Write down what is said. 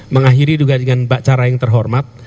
mengakhiri juga dengan cara yang terhormat